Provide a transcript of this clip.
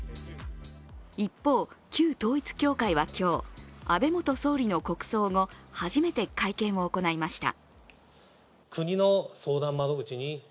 一方、旧統一教会は今日安倍元総理の国葬後初めて会見を行いました。